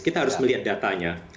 kita harus melihat datanya